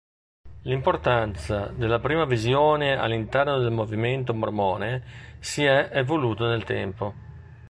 L'importanza della Prima Visione all'interno del movimento mormone si è evoluto nel tempo.